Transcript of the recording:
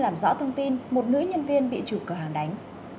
làm rõ thông tin một nữ nhân viên bị chủ cửa hàng đánh